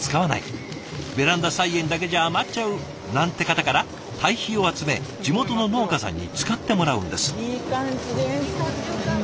ベランダ菜園だけじゃ余っちゃうなんて方から堆肥を集め地元の農家さんに使ってもらうんです。